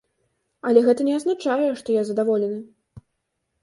Але гэта не азначае, што я задаволены.